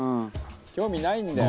興味ないんだよ」